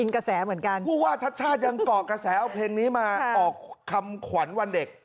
กระแสเหมือนกันผู้ว่าชัดชาติยังเกาะกระแสเอาเพลงนี้มาออกคำขวัญวันเด็ก